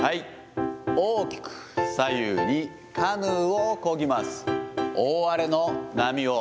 大きく左右にカヌーをこぎます。